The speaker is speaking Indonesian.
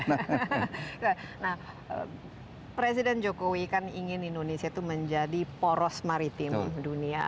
nah presiden jokowi kan ingin indonesia itu menjadi poros maritim dunia